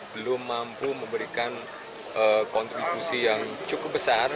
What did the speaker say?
belum mampu memberikan kontribusi yang cukup besar